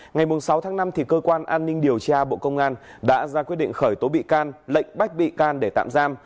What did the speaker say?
ngày sáu tháng năm cơ quan an ninh điều tra bộ công an đã ra quyết định khởi tố bị can lệnh bắt bị can để tạm giam